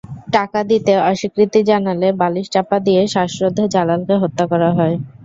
টাকা দিতে অস্বীকৃতি জানালে বালিশ চাপা দিয়ে শ্বাসরোধে জালালকে হত্যা করা হয়।